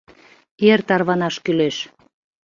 Эр тарванаш кӱлеш.